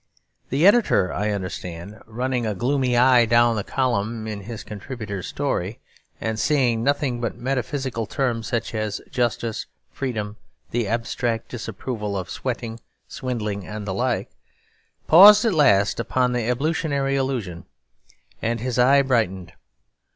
The editor, I understand, running a gloomy eye down the column of his contributor's 'story,' and seeing nothing but metaphysical terms such as justice, freedom, the abstract disapproval of sweating, swindling, and the like, paused at last upon the ablutionary allusion, and his eye brightened.